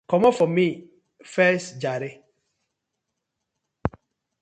Komot for mi face jare.